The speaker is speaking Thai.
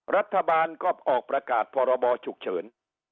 รัฐบาลก็ออกประกาศพรบฉุกเฉิน